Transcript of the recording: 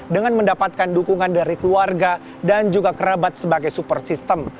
dengan mendapatkan dukungan dari keluarga dan juga kerabat sebagai super system